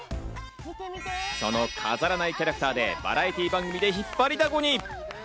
その飾らないキャラクターでバラエティー番組で引っ張りだこに！